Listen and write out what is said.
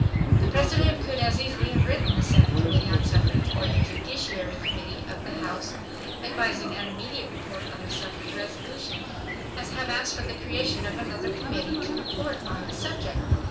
The President could as easily have written the Senate Committee on Suffrage or the Judiciary Committee of the House, advising an immediate report on the suffrage resolution, as have asked for the creation of another committee to report on the subject.